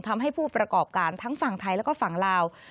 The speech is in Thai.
ทำให้ผู้ประกอบการทั้งฝั่งไทยและฝั่งลาว